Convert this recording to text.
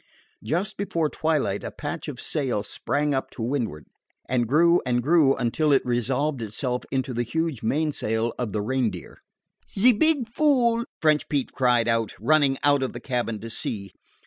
Just before twilight a patch of sail sprang up to windward, and grew and grew until it resolved itself into the huge mainsail of the Reindeer. "Ze beeg fool!" French Pete cried, running out of the cabin to see.